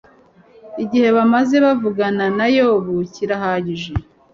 igihe bamaze bavugana na yobu kirahagije